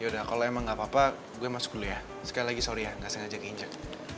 yaudah kalo emang gak apa apa gue masuk dulu ya sekali lagi sorry ya gak sengaja diinjek